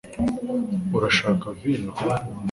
urashaka vino